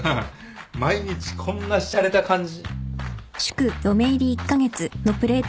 毎日こんなしゃれた感じ。